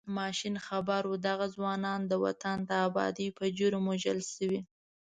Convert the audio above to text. ماشین خبر و دغه ځوانان د وطن د ابادۍ په جرم وژل شوي.